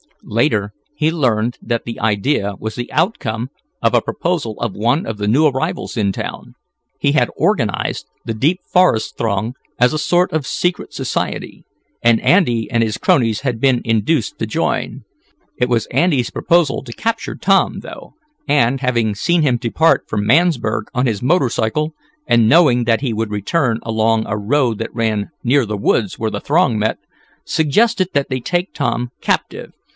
Later he learned that the idea was the outcome of a proposal of one of the new arrivals in town. He had organized the "Deep Forest Throng," as a sort of secret society, and Andy and his cronies had been induced to join. It was Andy's proposal to capture Tom, though, and, having seen him depart for Mansburg on his motor cycle, and knowing that he would return along a road that ran near the woods where the Throng met, suggested that they take Tom captive.